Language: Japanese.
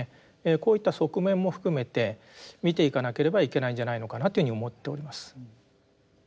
こういった側面も含めて見ていかなければいけないんじゃないのかなというふうに思っております。